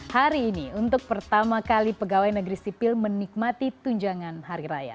hari ini untuk pertama kali pegawai negeri sipil menikmati tunjangan hari raya